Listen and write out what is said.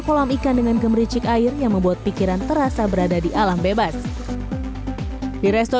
kolam ikan dengan gemericik air yang membuat pikiran terasa berada di alam bebas di resto